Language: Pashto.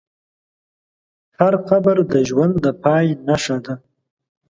هر قبر د ژوند د پای نښه ده.